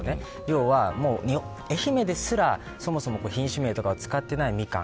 要は愛媛ですらそもそも品種名とかを使っていないミカン。